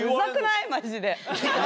マジで。